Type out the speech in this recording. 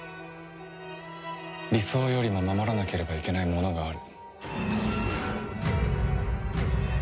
理想よりも守らなければいけないものがある。